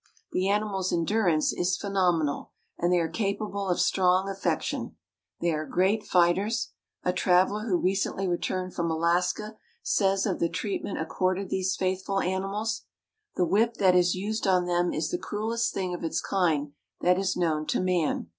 The animal's endurance is phenomenal, and they are capable of strong affection. They are great fighters. A traveler who recently returned from Alaska says of the treatment accorded these faithful animals: "The whip that is used on them is the cruelest thing of its kind that is known to man.